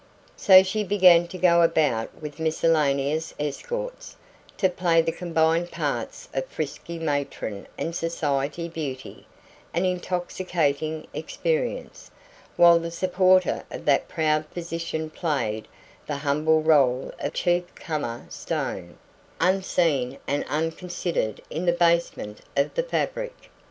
So she began to go about with miscellaneous escorts, to play the combined parts of frisky matron and society beauty an intoxicating experience; while the supporter of that proud position played the humble role of chief comer stone, unseen and unconsidered in the basement of the fabric.